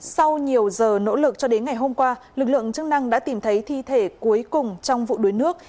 sau nhiều giờ nỗ lực cho đến ngày hôm qua lực lượng chức năng đã tìm thấy thi thể cuối cùng trong vụ đuối nước